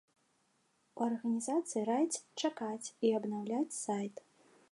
У арганізацыі раяць чакаць і абнаўляць сайт.